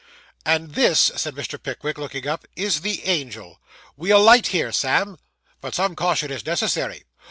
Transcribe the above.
'And this,' said Mr. Pickwick, looking up. 'Is the Angel! We alight here, Sam. But some caution is necessary.